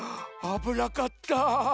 あぶなかった。